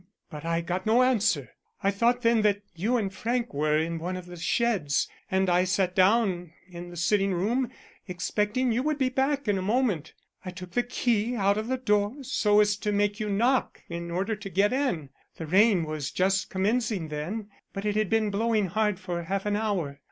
but I got no answer. I thought then that you and Frank were in one of the sheds, and I sat down in the sitting room, expecting you would be back in a moment. I took the key out of the door so as to make you knock in order to get in. The rain was just commencing then, but it had been blowing hard for half an hour.